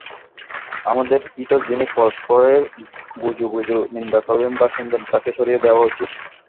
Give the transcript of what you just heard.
আমাদের ভিতর যিনি পরস্পরের গুজুগুজু নিন্দা করবেন বা শুনবেন, তাকে সরিয়ে দেওয়া উচিত।